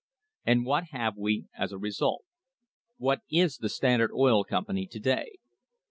And what have we as a result? What is the Standard Oil Company to day?